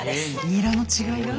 ニラの違いが？